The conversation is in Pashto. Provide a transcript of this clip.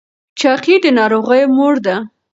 چاقي د ناروغیو مور ده.